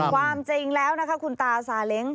ความจริงแล้วนะคะคุณตาซาเล้ง